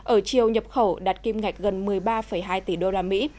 ở chiều nhập khẩu đạt kim ngạch gần một mươi ba hai tỷ đô la mỹ